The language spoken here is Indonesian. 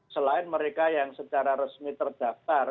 selain mereka yang secara resmi terdaftar